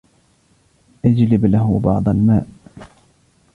اجلب له بعض الماء.